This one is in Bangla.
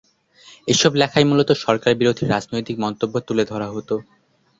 এসব লেখায় মূলত সরকার বিরোধী রাজনৈতিক মন্তব্য তুলে ধরা হত।